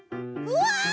うわ！